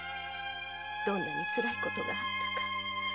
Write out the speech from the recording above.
どんなにつらい事があったか。